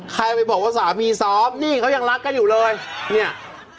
ใครไปบอกว่าสามีสอองนี่เค้ายังรักกันอยู่เลย